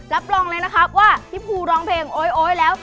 รับรองเลยนะคะว่าพี่ภูร้องเพลงโอ๊ยแล้ว